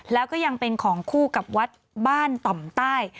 แล้วก็ยังเป็นของคู่กับวัดบ้านต่อมใต้